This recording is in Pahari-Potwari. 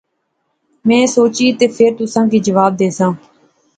میں سوچی تے فیر تساں کی جواب دیساں